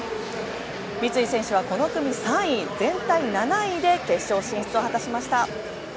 三井選手はこの組３位全体７位で決勝進出を果たしました。